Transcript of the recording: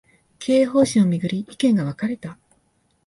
経営方針を巡り、意見が分かれた